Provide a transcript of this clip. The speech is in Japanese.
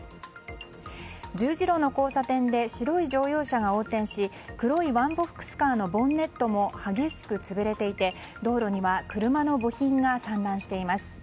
十字路の交差点で白い乗用車が横転し黒いワンボックスカーのボンネットも激しく潰れていて道路には車の部品が散乱しています。